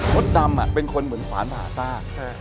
ดำเป็นคนเหมือนขวานผ่าซาก